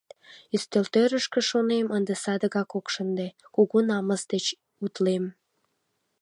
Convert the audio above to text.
Ӱстелтӧрышкӧ, шонем, ынде садыгак ок шынде, кугу намыс деч утлем.